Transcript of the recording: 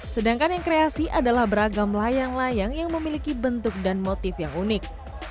sedangkan yang kreasi adalah beragam layang layang yang memiliki bentuk dan motif yang unik